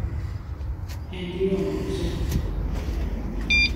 Andrew Abruzzo